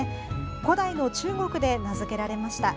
古代の中国で名付けられました。